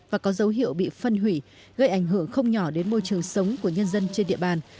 và có dấu hiệu bị phân hủy gây ảnh hưởng không nhỏ đến môi trường sống của nhân dân trên địa bàn